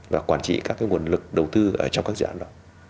và quản trị các nguồn lực đầu tư ở trong các dự án đó